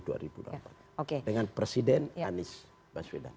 dengan presiden anies baswedan